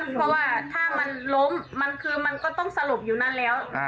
เพราะว่าถ้ามันล้มมันคือมันก็ต้องสลบอยู่นั่นแล้ว